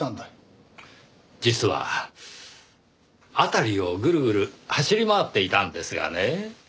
実は辺りをぐるぐる走り回っていたんですがね。